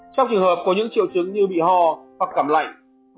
trong trường hợp có những triệu chứng như bị ho hoặc cảm lạnh